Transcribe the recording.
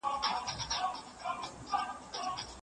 استادانو له پخوا د نویو معلوماتو د زیاتولو هڅه کوله.